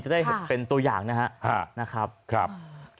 จะได้เป็นตัวอย่างนะครับ